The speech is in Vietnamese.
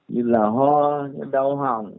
như là ho như là đau hỏng